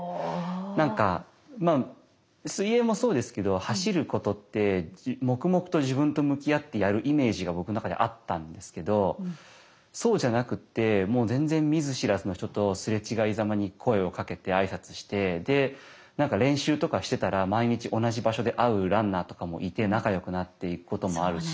何か水泳もそうですけど走ることって黙々と自分と向き合ってやるイメージが僕の中であったんですけどそうじゃなくってもう全然見ず知らずの人とすれ違いざまに声をかけて挨拶してで何か練習とかしてたら毎日同じ場所で会うランナーとかもいて仲よくなっていくこともあるし。